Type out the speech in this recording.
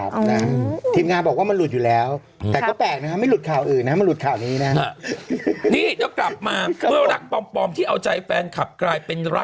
ครับนะฮะทีมงานบอกว่ามันหลุดอยู่แล้วได้แปลกนะฮะไม่หลุดข่าวอื่นอ่ะ